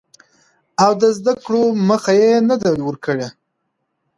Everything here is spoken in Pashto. او د زده کړو مخه يې نه ده ورکړې.